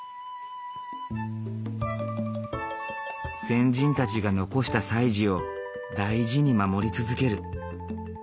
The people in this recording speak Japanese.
先人たちが残した歳時を大事に守り続ける。